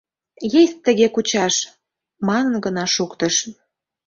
— Есть тыге кучаш! — манын гына шуктыш.